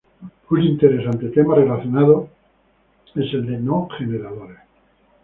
Un interesante tema relacionado es el de no-generadores.